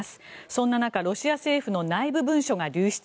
そんな中、ロシア政府の内部文書が流出。